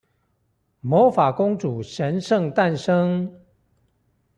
魔法公主神聖誕生